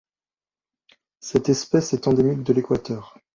Cette espèce est endémique de l'Équateur.